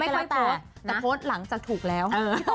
คอยโพสต์แต่โพสต์หลังจากถูกแล้ว